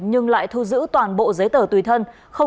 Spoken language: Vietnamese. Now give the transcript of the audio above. nhưng lại thu giữ toàn bộ giấy tờ